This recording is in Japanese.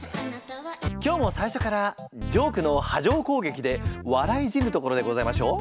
今日も最初からジョークの波状こうげきで笑い死ぬところでございましょう？